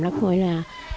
hồi đấy là